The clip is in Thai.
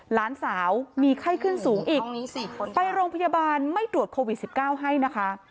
หลานสาวมีไข้ขึ้นสูงอีกไปโรงพยาบาลไม่ตรวจโควิด๑๙ให้นะคะ